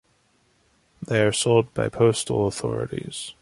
They are sold by postal authorities.